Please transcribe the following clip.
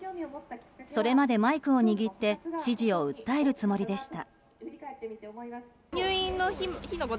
それまで、マイクを握って支持を訴えるつもりでした。